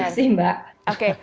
gitu sih mbak